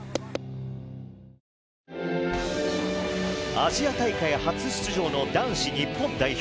アジア大会初出場の男子日本代表。